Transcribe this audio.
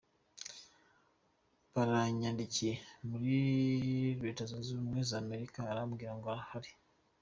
baranyandikiye ndi muri Leta zunze ubumwe za Amerika arambwira ngo hari